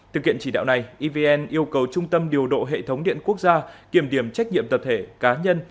thực hiện chỉ đạo này evn yêu cầu trung tâm điều độ hệ thống điện quốc gia kiểm điểm trách nhiệm tập thể cá nhân